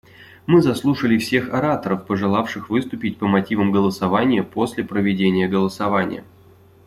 Мы заслушали всех ораторов, пожелавших выступить по мотивам голосования после проведения голосования.